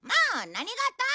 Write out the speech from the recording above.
何事！？